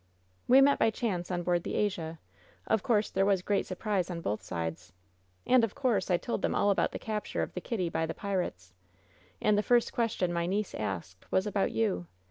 *^e met by chance on board the Asia, Of course, there was great surprise on both sides. And, of course, I told them all about the capture of the Kitty by the pi rates. And the first question my niece asked was about you.